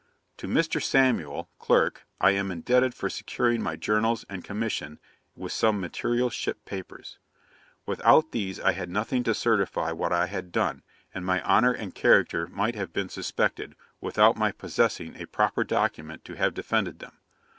'To Mr. Samuel (clerk) I am indebted for securing my journals and commission, with some material ship papers. Without these I had nothing to certify what I had done, and my honour and character might have been suspected, without my possessing a proper document to have defended them.